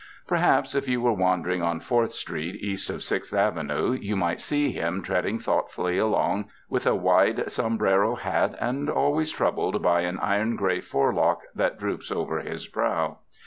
Perhaps, if you were wandering on Fourth Street, east of Sixth Avenue, you might see him treading thoughtfully along, with a wide sombrero hat, and always troubled by an iron gray forelock that droops over his brow.